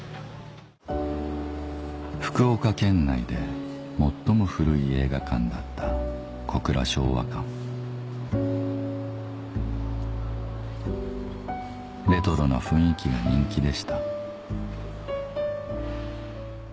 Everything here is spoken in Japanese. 福岡県内で最も古い映画館だったレトロな雰囲気が人気でした